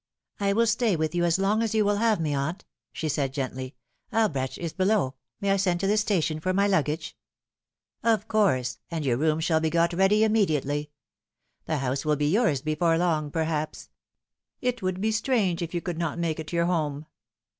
" I will stay with you as long as you will have me, aunt," she said gently. " Albrecht is below. May I send to the station for my luggage ?"" Of course, and your rooms shall be got ready immediately. The house will be yours before very long, perhaps. It would be strange if you could not make it your home